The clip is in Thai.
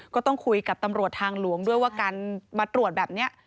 ก็ต้องคุยกับตำรวจทางหลวงด้วยว่าการมาตรวจแบบนี้